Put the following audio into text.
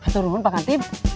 turun pak kantip